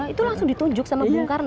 itu langsung ditunjuk sama bung karno